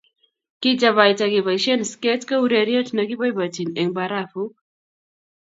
Kichabaaita keboisien sket ko ureriet ne kiboibochinin eng barafuk